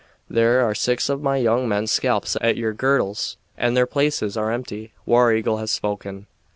"There are six of my young men's scalps at your girdles, and their places are empty. War Eagle has spoken."